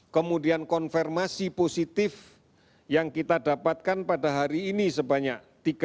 kemudian konfirmasi positif yang kita dapatkan pada hari ini sebanyak tiga ratus delapan puluh tujuh